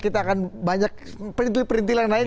kita akan banyak perintil perintil yang lain